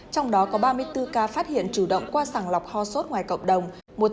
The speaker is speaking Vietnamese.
trong đó có ba mươi bốn ca phát hiện chủ động qua sàng lọc ho sốt ngoài cộng đồng